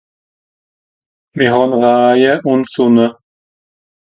Mìr hàn Raaje ùn Sùnne